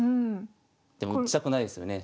でも打ちたくないですよね。